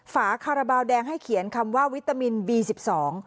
ฝาคาราบาลแดงให้เขียนคำว่าวิตามินบีสิบสอง